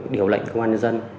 điều lệnh công an nhân dân